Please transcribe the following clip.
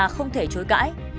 không thể chối cãi